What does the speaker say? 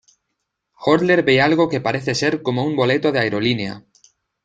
Horler ve algo que parece ser cómo un boleto de aerolínea.